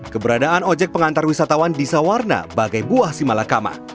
keberadaan ojek pengantar wisatawan di sawarna bagai buah simalakama